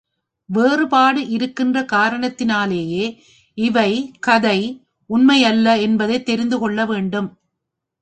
வேறுபாடு இருக்கின்ற காரணத்தினாலேயே இவை கதை, உண்மை அல்ல என்பதைத் தெரிந்து கொள்ள வேண்டும்.